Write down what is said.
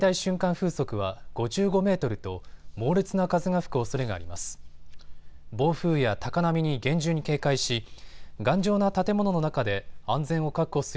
風速は５５メートルと猛烈な風が吹くおそれがあります。